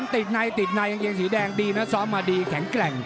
ติดในกรีงสีแดงดีนะซ้อนมาดีแข็งแกร่ง